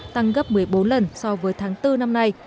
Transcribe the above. tăng gấp một mươi bốn lần so với tháng bốn năm nay